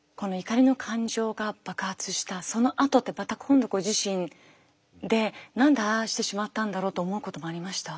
怒りの感情が爆発したそのあとってまた今度ご自身で何でああしてしまったんだろうと思うこともありました？